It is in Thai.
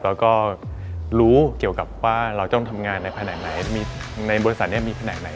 แล้วก็รู้เหมาะเกี่ยวกับว่าเราอยากทำงานในบริษัทไหน